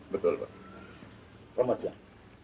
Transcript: betul pak selamat siang